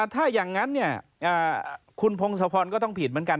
ถ้าอย่างนั้นคุณพงศพรก็ต้องผิดเหมือนกัน